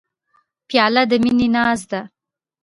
پیاله د مینې ناز ده.